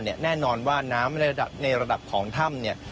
แน่นอนว่าน้ำในระดับของถ้ำเนี่ย